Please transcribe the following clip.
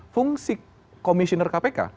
fungsi komisioner kpk